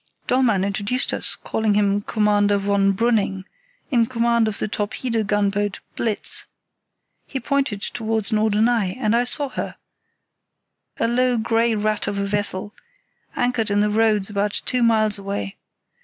Dollmann introduced us, calling him Commander von Brüning, in command of the torpedo gunboat Blitz. He pointed towards Norderney, and I saw her—a low, grey rat of a vessel—anchored in the Roads about two miles away.